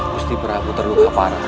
gusti prabu terluka parah